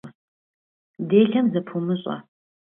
Делэм зэпумыщӀэ.